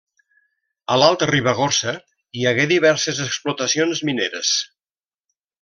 A l'Alta Ribagorça hi hagué diverses explotacions mineres.